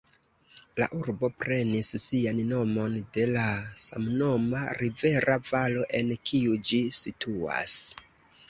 La urbo prenis sian nomon de la samnoma rivera valo, en kiu ĝi situas.